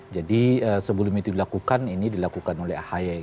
jadi sebelum itu dilakukan ini dilakukan oleh ahy